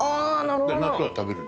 夏は食べる。